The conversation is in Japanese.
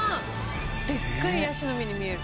でっかいヤシの実に見える！